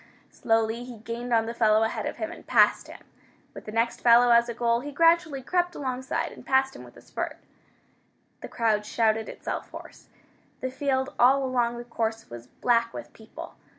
Slowly he gained on the fellow ahead of him, and passed him. With the next fellow as a goal, he gradually crept alongside, and passed him with a spurt. The crowd shouted itself hoarse. The field all along the course was black with people.